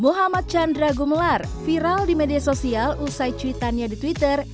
muhammad chandra gumelar viral di media sosial usai cuitannya di twitter